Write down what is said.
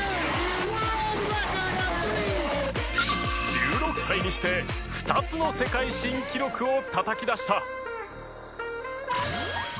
１６歳にして２つの世界新記録をたたき出した。